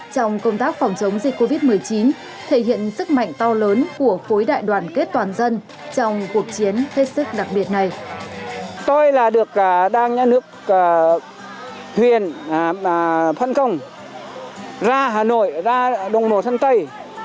trong công tác phòng chống dịch covid một mươi chín thể hiện sức mạnh to lớn của khối đại đoàn kết toàn dân trong cuộc chiến hết sức đặc biệt này